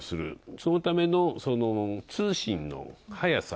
そのための通信の速さ。